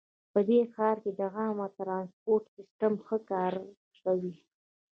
په دې ښار کې د عامه ترانسپورټ سیسټم ښه کار کوي